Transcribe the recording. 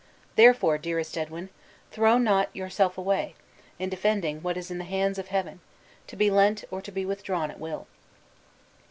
Therefore, dearest Edwin, thrown not yourself away, in defending what is in the hands of Heaven to be lent, or to be withdrawn at will."